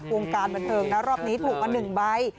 วงการบันเทิงนะรอบนี้ถูกมา๑ใบ